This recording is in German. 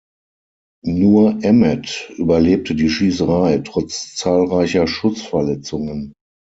Nur Emmett überlebte die Schießerei trotz zahlreicher Schussverletzungen.